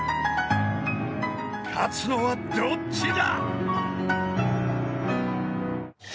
［勝つのはどっちだ］